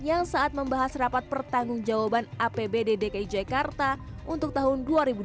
yang saat membahas rapat pertanggung jawaban apbd dki jakarta untuk tahun dua ribu dua puluh